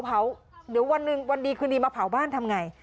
เดี๋ยววันหนึ่งวันดีคืนนี้มาเผาบ้านทำอย่างไร